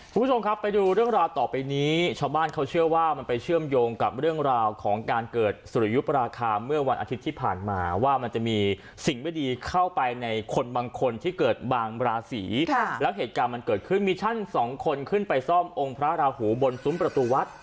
คุณผู้ชมครับไปดูเรื่องราวต่อไปนี้ชาวบ้านเขาเชื่อว่ามันไปเชื่อมโยงกับเรื่องราวของการเกิดสุริยุปราคาเมื่อวันอาทิตย์ที่ผ่านมาว่ามันจะมีสิ่งไม่ดีเข้าไปในคนบางคนที่เกิดบางราศีแล้วเหตุการณ์มันเกิดขึ้นมีช่างสองคนขึ้นไปซ่อมองค์พระราหูบนซุ้มประตูวัด